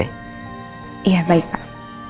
iya baik pak